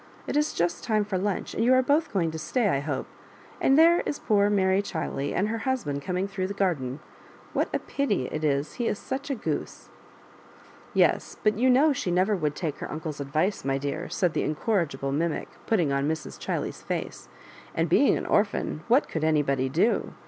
It is just time for lunch, and you are both going to stay, I hope; and there is poor Mary Chiley and her husband coming through the garden. What a pity it is he is such a goose I^' " Yes ; but you know she never would take her uncle's advice, my dear," said the incoirigi ble mimic, putting on Mrs. Chiley% face ; *'a^ being an orphan, what could anybody do?